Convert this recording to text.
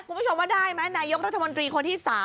คุณผู้ชมว่าได้ไหมนายกรัฐมนตรีคนที่๓